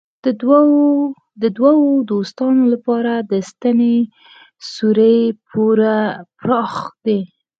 د دوو دوستانو لپاره د ستنې سوری پوره پراخ دی.